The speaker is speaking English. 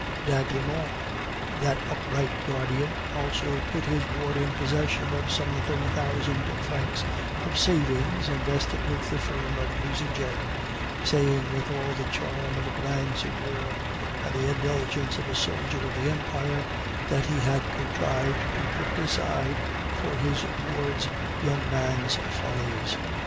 D'Aiglemont, that upright guardian, also put his ward in possession of some thirty thousand francs of savings invested with the firm of Nucingen; saying with all the charm of a grand seigneur and the indulgence of a soldier of the Empire, that he had contrived to put it aside for his ward's young man's follies.